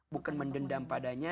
bukan mendendam padanya